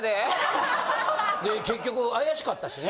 で結局怪しかったしね。